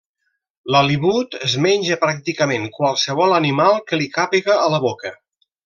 L'halibut es menja pràcticament qualsevol animal que li càpiga a la boca.